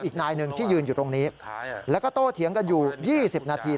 อีกที่อยู่ตรงนี้และก็โตเถียงกันอยู่๒๐นาที